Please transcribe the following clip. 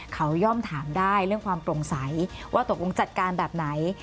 เขาย่อมถามได้เรื่องความโปร่งใสว่าตกลงจัดการแบบไหน